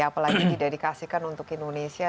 apalagi didedikasikan untuk indonesia